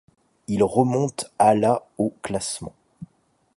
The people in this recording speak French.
Ils remontent à la au classement.